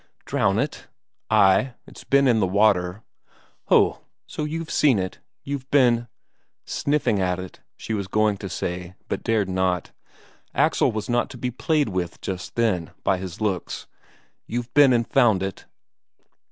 "Drown it?" "Ay. It's been in the water." "Ho, so you've seen it? You've been " "sniffing at it," she was going to say, but dared not; Axel was not to be played with just then, by his looks. "You've been and found it?"